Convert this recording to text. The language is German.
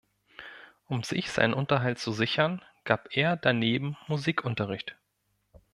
Um sich seinen Unterhalt zu sichern gab er daneben Musikunterricht.